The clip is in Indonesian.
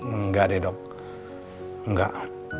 enggak deh dok enggak